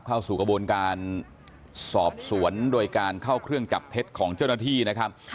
เข้าสู่กระบวนการสอบสวนโดยการเข้าเครื่องจับเท็จของเจ้าหน้าที่นะครับ